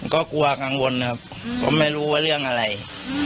ก็กลัวกังวลนะครับเพราะไม่รู้ว่าเรื่องอะไร